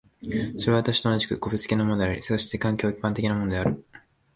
それは私と同じく個別的なものであり、そして環境は一般的なものである。